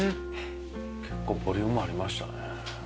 結構ボリュームありましたね。